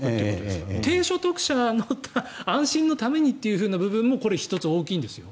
低所得者だったら安心のためにという部分もこれ、１つ大きいんですよ。